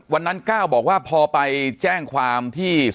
ปากกับภาคภูมิ